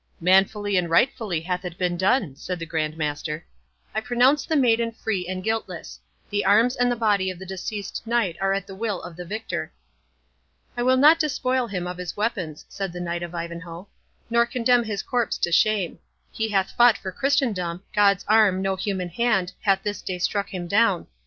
"Manfully and rightfully hath it been done," said the Grand Master. "I pronounce the maiden free and guiltless—The arms and the body of the deceased knight are at the will of the victor." "I will not despoil him of his weapons," said the Knight of Ivanhoe, "nor condemn his corpse to shame—he hath fought for Christendom—God's arm, no human hand, hath this day struck him down.